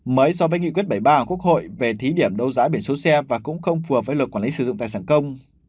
mới so với nghị quyết bảy mươi ba của quốc hội về thí điểm đấu giá biển số xe và cũng không phù hợp với luật quản lý sử dụng tài sản công